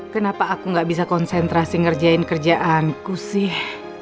kenapa aku gak bisa konsentrasi ngerjain kerjaanku sih